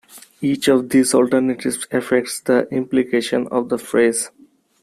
Each of these alternatives affects the implication of the phrase.